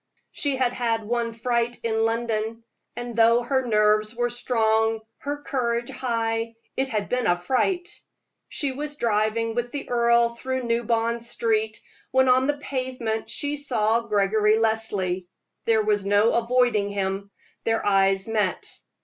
She had had one fright in London; and though her nerves were strong, her courage high, it had been a fright. She was driving with the earl through New Bond Street, when on the pavement she saw Gregory Leslie. There was no avoiding him their eyes met.